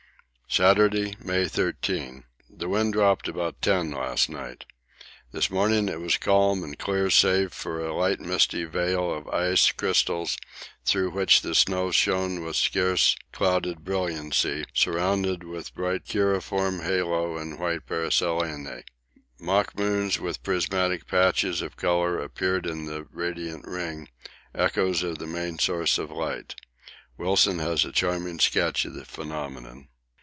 Saturday, May 13. The wind dropped about 10 last night. This morning it was calm and clear save for a light misty veil of ice crystals through which the moon shone with scarce clouded brilliancy, surrounded with bright cruciform halo and white paraselene. Mock moons with prismatic patches of colour appeared in the radiant ring, echoes of the main source of light. Wilson has a charming sketch of the phenomenon.